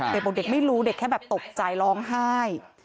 เด็กบอกเด็กไม่รู้เด็กแค่แบบตกใจร้องไห้